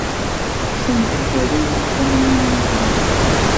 Sanda ay terram tammumin-nni?